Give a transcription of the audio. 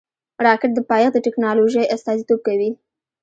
راکټ د پایښت د ټېکنالوژۍ استازیتوب کوي